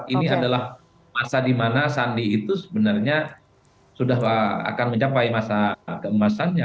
ini adalah masa di mana sandi itu sebenarnya sudah akan mencapai masa keemasannya